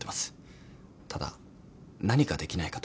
ただ何かできないかと。